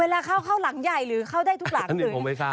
เวลาเข้าหลังใหญ่หรือเข้าได้ทุกหลังเลย